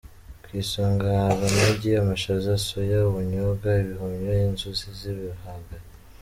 Ku isonga haza amagi, amashaza, soya, ubunyobwa, ibihumyo, inzuzi z’ibihwagari.